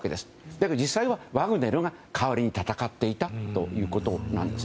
だけど実際はワグネルが代わりに戦っていたということなんです。